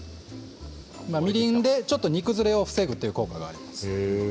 みりんでちょっと煮崩れを防ぐ効果があります。